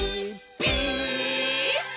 ピース！」